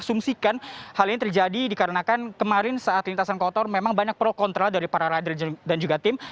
dan saya bisa dapat asumsikan hal ini terjadi dikarenakan kemarin saat lintasan kotor memang banyak pro kontrol dari para rider dan juga tim